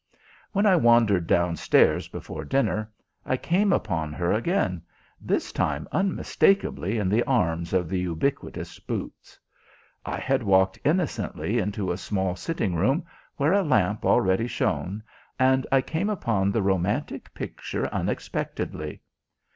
When I wandered downstairs before dinner I came upon her again, this time unmistakably in the arms of the ubiquitous boots. I had walked innocently into a small sitting room where a lamp already shone, and I came upon the romantic picture unexpectedly.